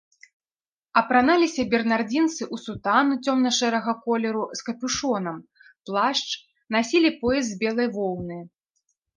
Апраналіся бернардзінцы ў сутану цёмна-шэрага колеру з капюшонам, плашч, насілі пояс з белай воўны.